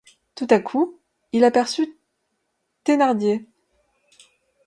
Tout à coup il aperçut Thénardier.